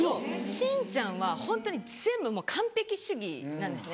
真ちゃんはホントに全部完璧主義なんですね。